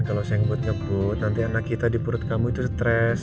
kalau saya ngebut ngebut nanti anak kita di perut kamu itu stres